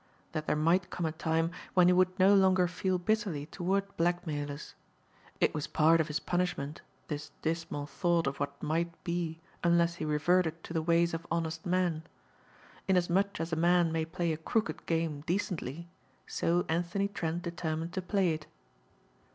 That there might come a time when he would no longer feel bitterly toward blackmailers. It was part of his punishment, this dismal thought of what might be unless he reverted to the ways of honest men. Inasmuch as a man may play a crooked game decently, so Anthony Trent determined to play it.